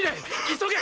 急げ！！